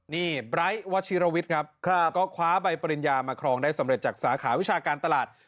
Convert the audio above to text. นี่ไบร์ทวัชิรวิทย์ครับก็คว้าใบปริญญามาครองได้สำเร็จจากสาขาวิชาการตลาด